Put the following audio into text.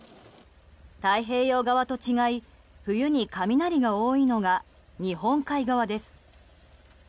太平洋側と違い冬に雷が多いのが日本海側です。